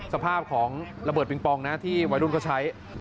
สภาพของระเบิดปิงปองนะที่วัยรุ่นเขาใช้